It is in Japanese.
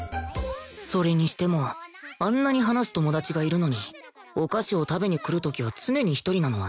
それにしてもあんなに話す友達がいるのにお菓子を食べに来る時は常に１人なのはなぜだ？